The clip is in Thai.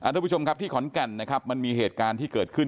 ทุกผู้ชมครับที่ขอนแก่นนะครับมันมีเหตุการณ์ที่เกิดขึ้น